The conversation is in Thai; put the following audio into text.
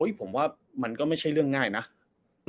โอ๊ยผมว่ามันก็ไม่ใช่เรื่องง่ายนะครับ